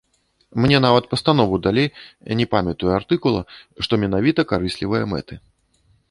Мне нават пастанову далі, не памятаю артыкула, што менавіта карыслівыя мэты.